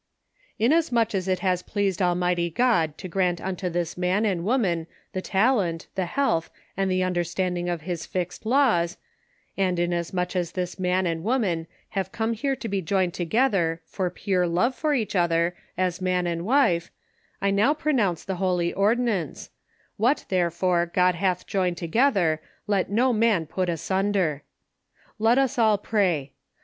"Inasmuch as it has pleased Almighty God to grant unto this man and woman the talent, the health and the understanding of his fixed laws ; and inasmuch as this man and woman have come here to be joined together for fure love for each other as man and wife, I now pronounce the holy ordinance :' What, therefore, God hath joined to gether let no man put asunder. '" Let us all pray.